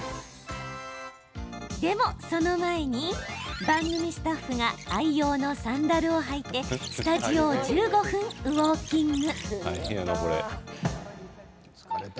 でもその前に、番組スタッフが愛用のサンダルを履いてスタジオを１５分ウォーキング。